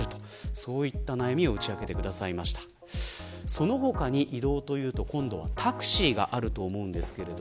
その他に移動というとタクシーがあると思います。